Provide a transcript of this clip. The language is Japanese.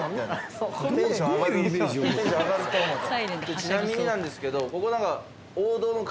ちなみになんですけどここ何か。